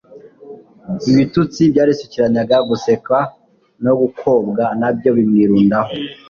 Ibitutsi byarisukiranyaga gusekwa no gukobwa na byo bimwirundaho.